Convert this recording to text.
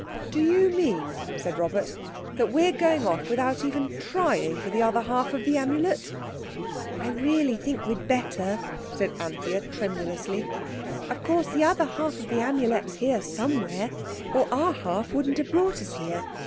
"Do you mean," said Robert, "that we're going off without even trying for the other half of the Amulet?" "I really think we'd better," said Anthea tremulously. "Of course the other half of the Amulet's here somewhere or our half wouldn't have brought us here.